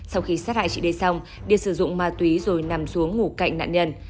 sau khi sát hại chị d xong điệp sử dụng ma túy rồi nằm xuống ngủ cạnh nạn nhân